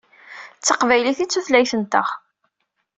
D taqbaylit i d tutlayt-nteɣ.